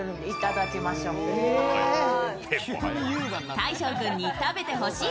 大昇君に食べてほしい